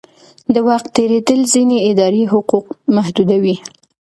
د وخت تېرېدل ځینې اداري حقوق محدودوي.